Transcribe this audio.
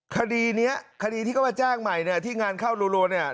คดีนี้คดีที่เขามาแจ้งใหม่เนี่ยที่งานเข้ารัวเนี่ย